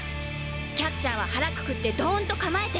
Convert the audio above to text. キャッチャーは腹くくってドーンと構えて！